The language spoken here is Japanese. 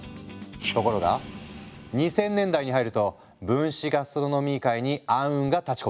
ところが２０００年代に入ると分子ガストロノミー界に暗雲が立ちこめる。